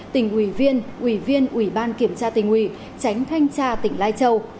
tỉnh ủy viên ủy viên ủy ban kiểm tra tỉnh ủy tránh thanh tra tỉnh lai châu